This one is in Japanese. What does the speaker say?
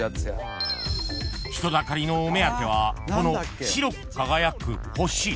［人だかりのお目当てはこの白く輝く星］